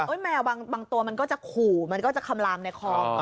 เอ้ยแมวบางบางตัวมันก็จะขู่มันก็จะคำลามในคอมนะครับ